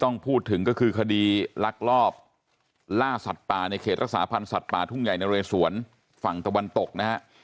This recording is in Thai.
ทรักษาพันธ์สัตว์ปลาทุ่งใหญ่นโรยสวนฝั่งตะวันตกนะฮะ